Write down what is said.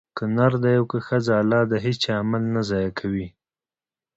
که نر دی او که ښځه؛ الله د هيچا عمل نه ضائع کوي